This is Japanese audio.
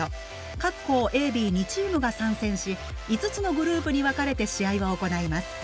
各校ＡＢ２チームが参戦し５つのグループに分かれて試合を行います。